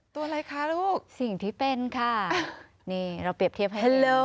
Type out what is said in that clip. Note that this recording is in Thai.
ตัวอะไรคะลูกสิ่งที่เป็นค่ะนี่เราเปรียบเทียบให้เห็นเลย